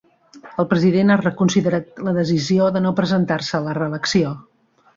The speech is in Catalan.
El president ha reconsiderat la decisió de no presentar-se a la reelecció.